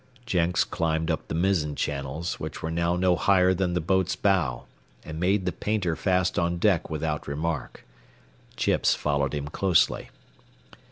Jenks climbed up the mizzen channels, which were now no higher than the boat's bow, and made the painter fast on deck without remark. Chips followed him closely.